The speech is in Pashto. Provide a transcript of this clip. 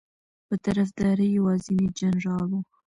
په طرفداری یوازینی جنرال ؤ